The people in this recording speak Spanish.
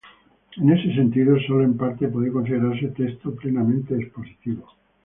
En ese sentido, sólo en parte puede considerarse texto plenamente expositivo.